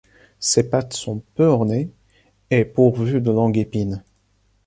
Ses pattes sont peu ornées et pourvues de longues épines.